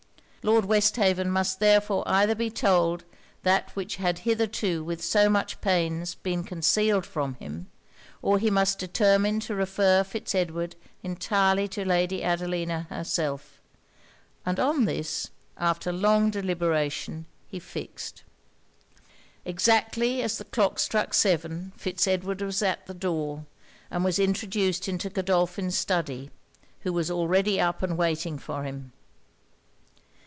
Lord Westhaven must therefore either be told that which had hitherto with so much pains been concealed from him, or he must determine to refer Fitz Edward entirely to Lady Adelina herself; and on this, after long deliberation, he fixed. Exactly as the clock struck seven, Fitz Edward was at the door; and was introduced into Godolphin's study, who was already up and waiting for him.